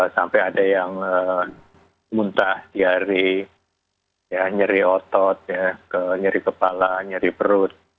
sampai ada yang muntah diare nyeri otot nyeri kepala nyeri perut